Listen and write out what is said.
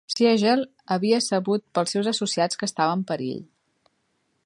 Siegel havia sabut pels seus associats que estava en perill.